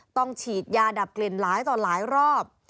ต้องฉีดยาดับกลิ่นหลายต่อหลายรอบ